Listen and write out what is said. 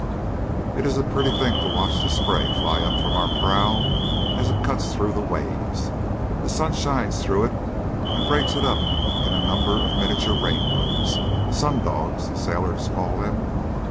It is a pretty thing to watch the spray fly up from our prow as it cuts through the waves. The sun shines through it and breaks it up into a number of miniature rainbows "sun dogs," the sailors call them.